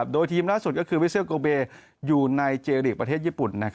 โดยทีมล่าสุดก็คือวิเซลโกเบอยู่ในเจรีกประเทศญี่ปุ่น